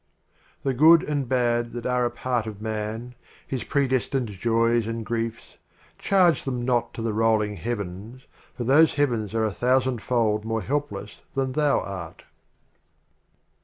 LXXII. The Good and Bad that are a Part of Man, His predestined Joys and Griefs, — Charge them not to the Rolling Heavens, For those Heavens are a Thousand fold more helpless than thou art.